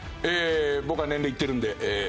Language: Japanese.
僕は年齢いってるんで。